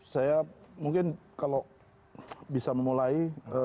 saya mungkin kalau bisa memulai